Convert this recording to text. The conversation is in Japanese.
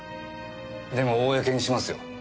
でも公にしますよ。